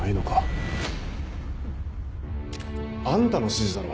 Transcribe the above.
フフ。あんたの指示だろ？